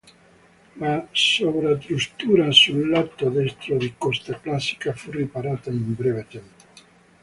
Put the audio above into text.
La sovrastruttura sul lato destro di "Costa Classica" fu riparata in breve tempo.